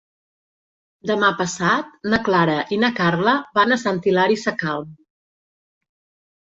Demà passat na Clara i na Carla van a Sant Hilari Sacalm.